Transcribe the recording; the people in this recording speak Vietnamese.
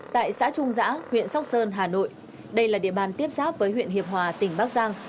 tại xã trung giã huyện sóc sơn hà nội đây là địa bàn tiếp giáp với huyện hiệp hòa tỉnh bắc giang